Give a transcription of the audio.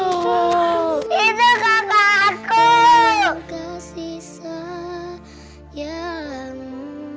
itu kakak aku